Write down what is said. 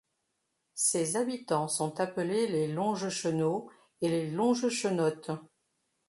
Ses habitants sont appelés les Longechenots et les Longechenottes.